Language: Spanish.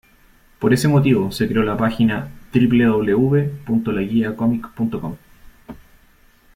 Por este motivo se creó la página "www.laguiacomic.com".